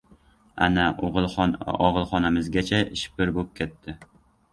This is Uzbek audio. Ana, og‘ilxonamizgacha shipir bo‘p ketdi.